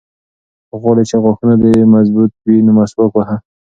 که غواړې چې غاښونه دې مضبوط وي نو مسواک وهه.